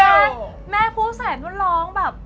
แม่แม่พูดแสดนู้นร้องแบบ